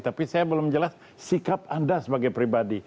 tapi saya belum jelas sikap anda sebagai pribadi